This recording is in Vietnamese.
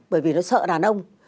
bởi vì nó sợ đàn ông